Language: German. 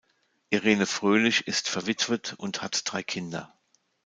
Irene Fröhlich ist verwitwet und hat drei Kinder.